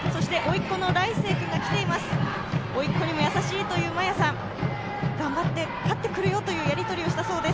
甥っ子にも優しいという麻耶さん頑張って勝ってくるよというやり取りをしたそうです。